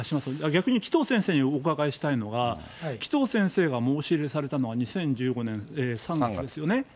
逆に、紀藤先生にお伺いしたいのが、紀藤先生が申し入れされたのは２０１５年３月ですよね。